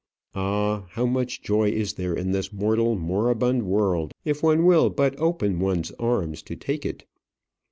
Ah! how much joy is there in this mortal, moribund world if one will but open one's arms to take it!